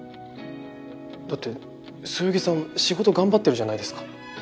だってそよぎさん仕事頑張ってるじゃないですか。